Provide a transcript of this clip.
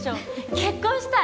結婚したい！